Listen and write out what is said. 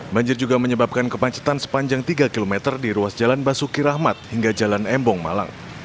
banjir juga menyebabkan kemacetan sepanjang tiga km di ruas jalan basuki rahmat hingga jalan embong malang